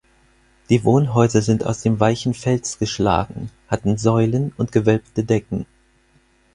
Die Wohnhäuser sind aus dem weichen Fels geschlagen, hatten Säulen und gewölbte Decken.